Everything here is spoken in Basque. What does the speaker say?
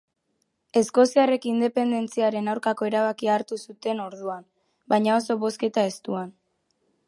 Eskoziarrek independentziaren aurkako erabakia hartu zuten orduan, baina oso bozketa estuan.